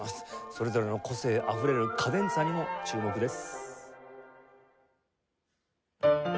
それぞれの個性あふれるカデンツァにも注目です。